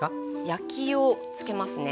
焼きをつけますね。